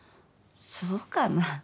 そうかな？